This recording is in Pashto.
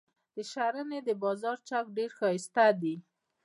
د شرنۍ د بازار چوک ډیر شایسته دي.